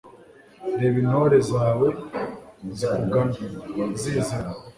reba intore zawe zikugana, zizanye